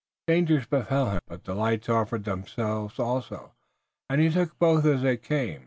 Dangers befell him, but delights offered themselves also, and he took both as they came.